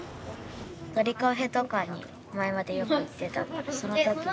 鳥カフェとかに前までよく行ってたのでその時に。